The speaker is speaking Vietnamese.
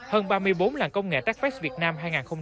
hơn ba mươi bốn làng công nghệ techfest việt nam